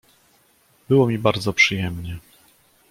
"Było mi bardzo przyjemnie“."